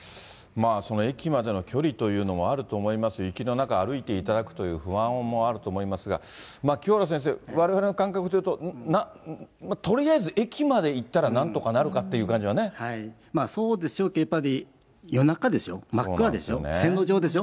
駅までの距離というのもあると思います、雪の中、歩いていただくという不安もあると思いますが、清原先生、われわれの感覚から言うと、とりあえず駅まで行ったら、そうでしょうけれども、やっぱり夜中ですよ、真っ暗でしょ、線路上でしょ。